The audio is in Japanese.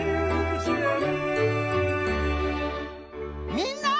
みんな！